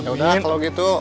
udah kalau gitu